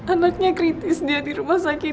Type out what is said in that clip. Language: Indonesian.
anaknya kritis dia di rumah sakit